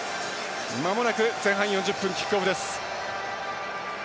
まもなく前半４０分キックオフです。